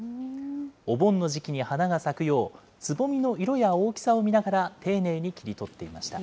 お盆の時期に花が咲くよう、つぼみの色や大きさを見ながら、丁寧に切り取っていました。